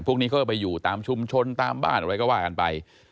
พวกนี้เขาก็ไปอยู่ตามชุมชนตามบ้านอะไรก็ว่ากันไป